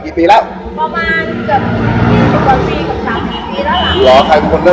แล้วดีใจว่าอาหารของคนไทย